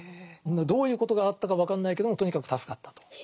どういうことがあったか分かんないけどもとにかく助かったと。